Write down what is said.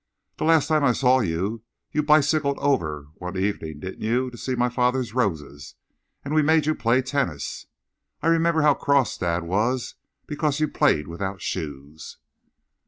The last time I saw you, you bicycled over one evening, didn't you, to see my father's roses, and we made you play tennis. I remember how cross dad was because you played without shoes."